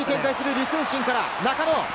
李承信から中野。